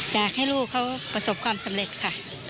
อยากให้ลูกเขาประสบความสำเร็จค่ะ